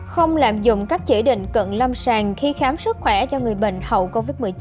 không lạm dụng các chỉ định cận lâm sàng khi khám sức khỏe cho người bệnh hậu covid một mươi chín